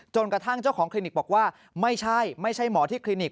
กระทั่งเจ้าของคลินิกบอกว่าไม่ใช่ไม่ใช่หมอที่คลินิก